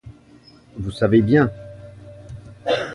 Vous savez bien.